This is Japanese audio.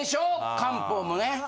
漢方もね。